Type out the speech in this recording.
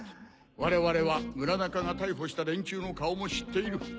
我々は村中が逮捕した連中の顔も知っている。